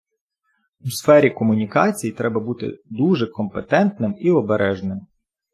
У сфері комунікацій треба бути дуже компетентним і обережним.